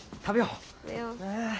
食べよう。